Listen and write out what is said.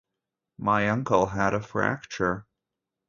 My uncle had a fracture.